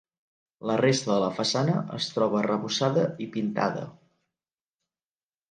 La resta de la façana es troba arrebossada i pintada.